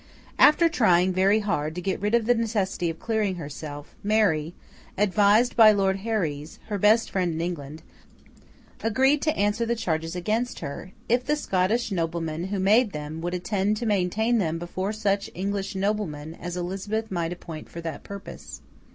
After trying very hard to get rid of the necessity of clearing herself, Mary, advised by Lord Herries, her best friend in England, agreed to answer the charges against her, if the Scottish noblemen who made them would attend to maintain them before such English noblemen as Elizabeth might appoint for that purpose.